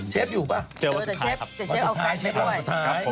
เชฟอยู่ป่ะ